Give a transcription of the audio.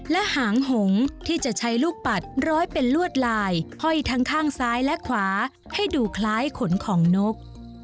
และหางหงที่จะใช้ลูกปัดร้อยเป็นลวดลายห้อยทั้งข้างซ้ายและขวาให้ดูคล้ายขนของนก